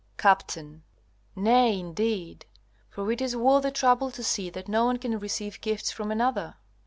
Capt. Nay, indeed. For it is worth the trouble to see that no one can receive gifts from another.